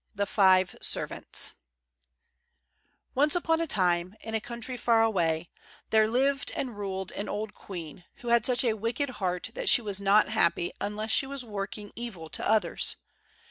The Five Servants Once upon a time, in a country far away, there lived and ruled an old queen who had such a wicked heart that she was not happy unless she was working evil to others.